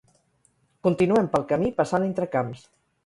Continuem pel camí passant entre camps